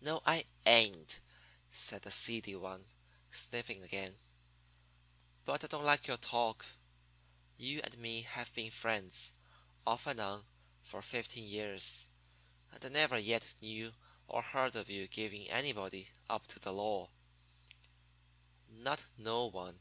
"No, I ain't" said the seedy one, sniffing again. "But I don't like your talk. You and me have been friends, off and on, for fifteen year; and I never yet knew or heard of you giving anybody up to the law not no one.